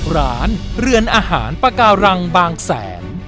ร้านเรือนอาหารปาการังบางแสน